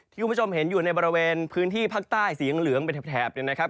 ที่คุณผู้ชมเห็นอยู่ในบริเวณพื้นที่ภาคใต้สียังเหลืองเป็นแถบ